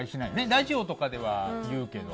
ラジオとかでは言うけど。